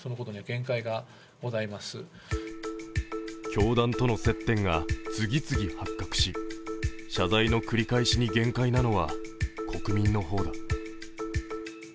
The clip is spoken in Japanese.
教団との接点が次々発覚し謝罪の繰り返しに限界なのは国民の方だ。